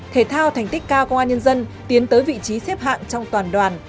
thể thao thành tích cao công an nhân dân tiến tới vị trí xếp hạng trong toàn đoàn